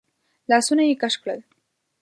لاسونه يې کش کړل.